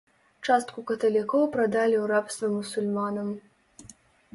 Частку каталікоў прадалі ў рабства мусульманам.